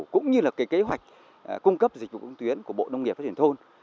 cũng như kế hoạch cung cấp dịch vụ công trực tuyến của bộ nông nghiệp và phát triển thôn